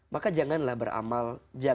maka janganlah beramal